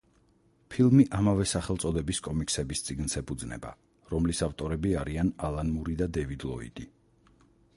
ფილმი ამავე სახელწოდების კომიქსების წიგნს ეფუძნება, რომლის ავტორები არიან ალან მური და დევიდ ლოიდი.